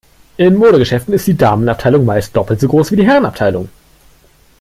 In Modegeschäften ist die Damenabteilung meist doppelt so groß wie die Herrenabteilung.